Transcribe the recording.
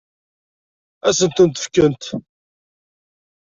Ad sen-ten-fkent?